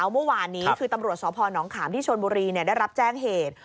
เหมือนเมื่อวานนี้ตำรวจสพนขามที่ธั่วน์บุรีต์ได้รับแจ้งเหตุ